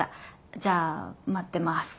じゃあ待ってます。